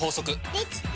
できた！